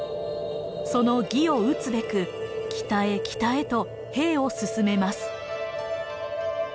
その魏を討つべく北へ北へと兵を進めます。